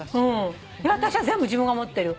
私は全部自分が持ってる。